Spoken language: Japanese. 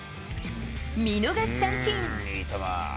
見逃し三振。